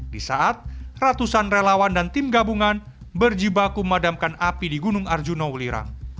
di saat ratusan relawan dan tim gabungan berjibaku memadamkan api di gunung arjuna wulirang